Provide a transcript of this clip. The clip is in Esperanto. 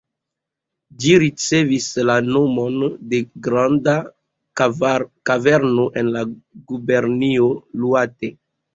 Ĝi ricevis la nomon de granda kaverno en la gubernio Iŭate.